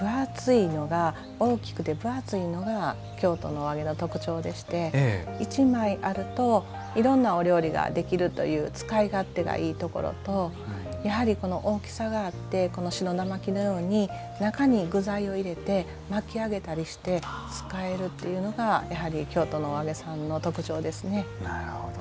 大きくて分厚いのが京都のお揚げの特徴でして一枚あるといろんなお料理ができるという使い勝手がいいところとやはりこの大きさがあってこの「信田巻き」のように中に具材を入れて巻き上げたりして使えるっていうのがやはり京都のお揚げさんの特徴ですね。